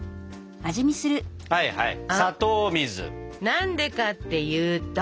何でかっていうと。